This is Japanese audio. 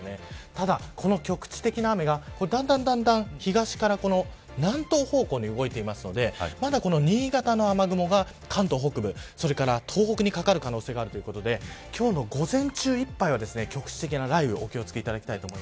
ただ、この局地的な雨がだんだん東から南東方向に動いているのでまだ、新潟の雨雲が関東北部それから東北にかかる可能性があるということで今日の午前中いっぱいは局地的な雷雨お気を付けください。